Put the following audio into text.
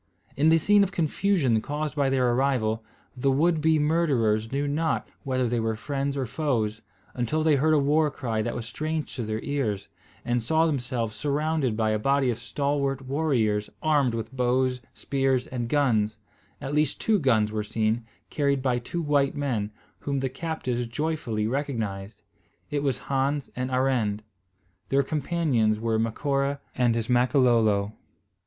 In the scene of confusion caused by their arrival, the would be murderers knew not whether they were friends or foes, until they heard a war cry that was strange to their ears, and saw themselves surrounded by a body of stalwart warriors armed with bows, spears, and guns, at least two guns were seen, carried by two white men, whom the captives joyfully recognised. It was Hans and Arend. Their companions were Macora and his Makololo.